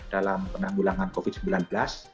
dalam penanggulangan covid sembilan belas